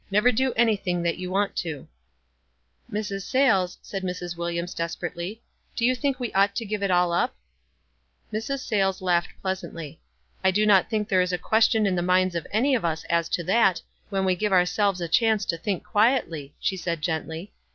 Never do anything that }^ou want to." "Mrs. Sayies," said Mrs. Williams, desper ately, "do you think we ought to give it all up?" Mrs. Sayies laughed pleasantly. "I do not think there is a question in the minds of any of us as to that, when we give ourselves a chance to think quietly," she said gently.